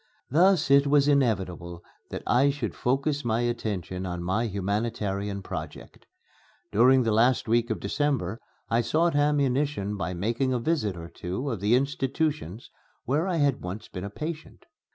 Thus it was inevitable that I should focus my attention on my humanitarian project. During the last week of December I sought ammunition by making a visit to two of the institutions where I had once been a patient.